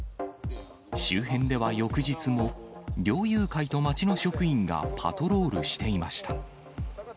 周辺では翌日も、猟友会と町の職員がパトロールしていました。